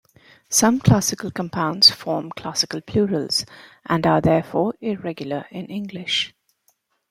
Some classical compounds form classical plurals, and are therefore irregular in English.